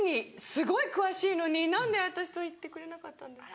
すごい詳しいのに何で私と行ってくれなかったんですか？